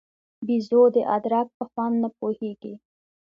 بېزو د ادرک په خوند نه پوهېږي.